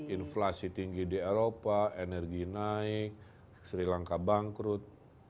inflasi tinggi di eropa energi naik sri lanka bangkrut